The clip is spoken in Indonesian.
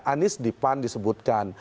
anies dipan disebutkan